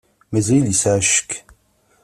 Mazal yesεa ccek.